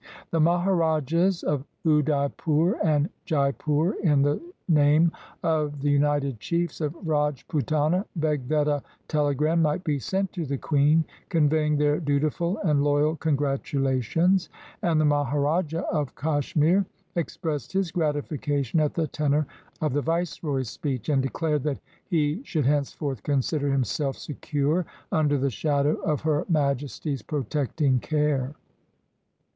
The Maharajas of Udaipur and Jaipur, in the name of the United Chiefs of Rajputana, begged that a tele gram might be sent to the Queen, conveying their duti ful and loyal congratulations; and the Maharaja of Kashmir expressed his gratification at the tenor of the Viceroy's speech, and declared that he should hence forth consider himself secure under the shadow of Her Majesty's protecting care.